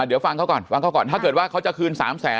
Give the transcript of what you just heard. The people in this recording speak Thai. เดี๋ยวฟังเขาก่อนฟังเขาก่อนถ้าเกิดว่าเขาจะคืน๓แสน